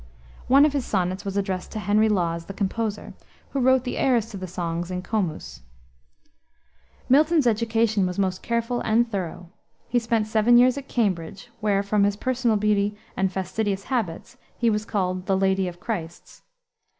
One of his sonnets was addressed to Henry Lawes, the composer, who wrote the airs to the songs in Comus. Milton's education was most careful and thorough. He spent seven years at Cambridge where, from his personal beauty and fastidious habits, he was called "The lady of Christ's."